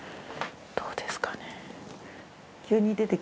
どうですかね。